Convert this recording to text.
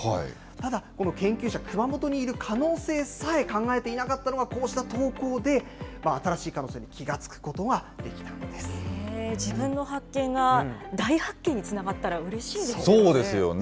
ただ、この研究者、熊本にいる可能性さえ考えていなかったのが、こうした投稿で新しい可能性に気自分の発見が大発見につながそうですよね。